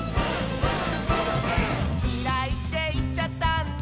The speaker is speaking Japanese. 「きらいっていっちゃったんだ」